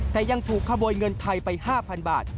แต่ยังถูกขโมยเงินไทยไป๕๐๐๐บาท